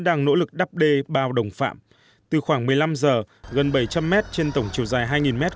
đang nỗ lực đắp đê bao đồng phạm từ khoảng một mươi năm giờ gần bảy trăm linh mét trên tổng chiều dài hai mét